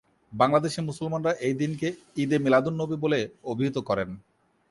বাংলাদেশি মুসলমানরা এই দিনকে ঈদ-এ-মিলাদুন্নবী বলে অভিহিত করেন।